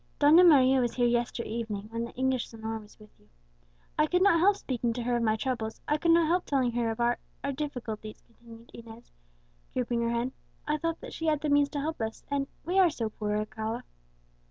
Donna Maria was here yester evening, while the English señor was with you. I could not help speaking to her of my troubles; I could not help telling her of our our difficulties," continued Inez, drooping her head. "I thought that she had the means to help us, and we are so poor, Alcala!"